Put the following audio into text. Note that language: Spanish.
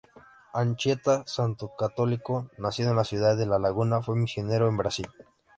Anchieta, santo católico nacido en la ciudad de La Laguna fue misionero en Brasil.